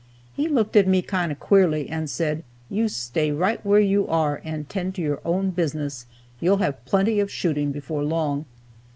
He looked at me kind of queerly, and said: "You stay right where you are, and tend to your own business. You'll have plenty of shooting before long."